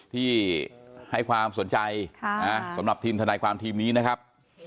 ที่ให้ความสนใจสำหรับทีมทนายความทีมนี้นะครับ